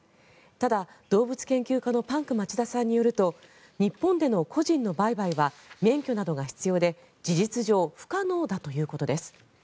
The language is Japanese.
ただ、動物研究家のパンク町田さんによると日本での個人の売買は免許などが必要で事実上不可能だということです。